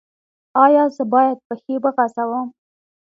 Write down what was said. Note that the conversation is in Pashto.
ایا زه باید پښې وغځوم؟